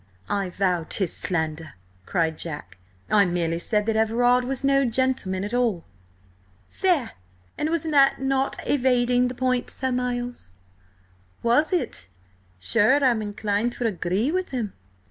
"I vow 'tis slander!" cried Jack. "I merely said that Everard was no gentleman at all." "There! And was not that evading the point, Sir Miles?" "Was it? Sure, I'm inclined to agree with him."